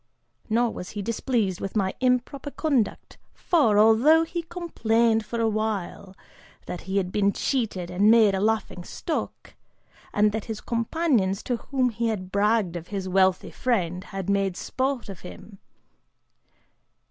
Nor was he displeased with my improper conduct for, although he complained for a while, that he had been cheated and made a laughing stock, and that his companions, to whom he had bragged of his wealthy friend, had made sport of him.